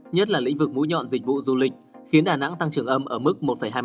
nhất là lĩnh vực mũi nhọn dịch vụ du lịch khiến đà nẵng tăng trưởng âm ở mức một hai mươi bốn